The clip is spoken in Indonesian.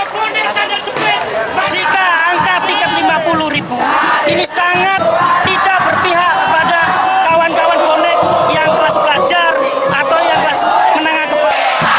lima puluh ribu ini sangat tidak berpihak kepada kawan kawan bonek yang kelas belajar atau yang kelas menang kebal